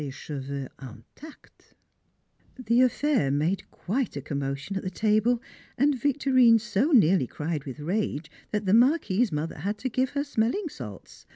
[Sidenote: The Vicomte's Proposal] The affair made quite a commotion at the table, and Victorine so nearly cried with rage that the Marquis's mother had to give her smelling salts.